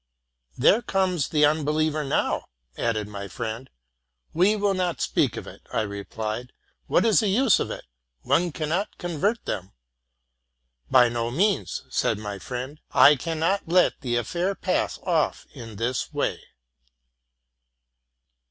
'* There comes the unbeliever now,'' added my friend. ''We will not speak of it,'? I replied: '' what is the use of it? one cannot convert them.''? —'+ By no means,"' said my friend: 'I cannot let the affair pass off in this way."